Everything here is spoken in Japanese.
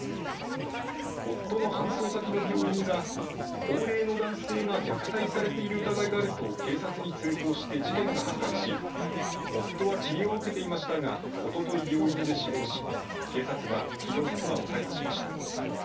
夫の搬送先の病院が高齢の男性が虐待されている疑いがあると警察に通報して事件が発覚し夫は治療を受けていましたがおととい病院で死亡し警察はきのう妻を逮捕しました。